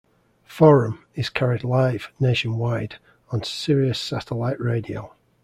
"Forum" is carried live, nationwide, on Sirius Satellite Radio.